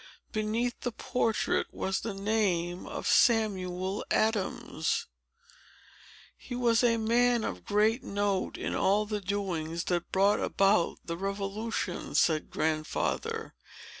Beneath the portrait was the name of Samuel Adams. "He was a man of great note in all the doings that brought about the Revolution," said Grandfather.